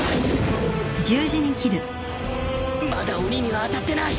まだ鬼には当たってない！